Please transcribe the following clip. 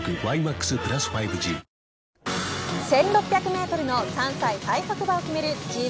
１６００メートルの３歳最速馬を決める